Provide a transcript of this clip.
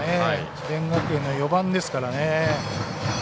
智弁学園の４番ですからね。